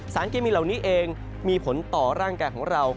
เคมีเหล่านี้เองมีผลต่อร่างกายของเรา